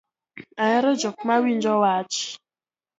Ahero jok ma winjo wach